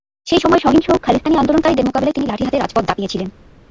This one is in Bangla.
সেই সময় সহিংস খালিস্তানি আন্দোলনকারীদের মোকাবিলায় তিনি লাঠি হাতে রাজপথ দাপিয়েছিলেন।